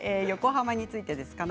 横浜についてです。